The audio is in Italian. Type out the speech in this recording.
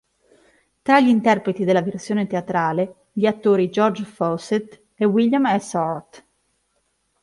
Tra gli interpreti della versione teatrale, gli attori George Fawcett e William S. Hart.